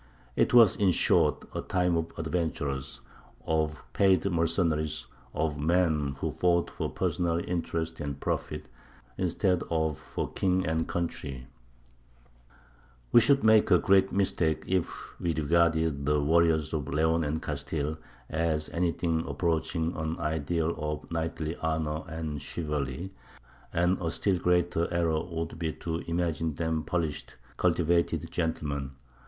It was, in short, a time of adventurers, of paid mercenaries, of men who fought for personal interest and profit, instead of for king and country. [Illustration: BOTICA DE LOS TEMPLARIOS, TOLEDO.] We should make a great mistake if we regarded the warriors of Leon and Castile as anything approaching an ideal of knightly honour and chivalry, and a still greater error would be to imagine them polished, cultivated gentlemen.